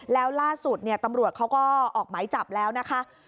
แล้วล่าสุดตำรวจเขาก็ออกหมายจับแล้วนะคะ